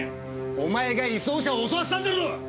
お前が移送車を襲わせたんだろう！？